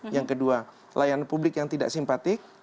yang kedua layanan publik yang tidak simpatik